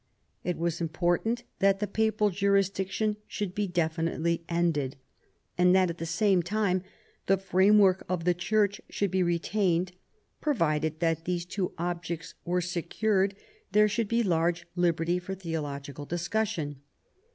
It was important that the Papal jurisdiction should be definitely ended, and that, at the same time, the framework of the Church should be retained ; pro vided that these two objects were secured there should be large liberty for theological discussion.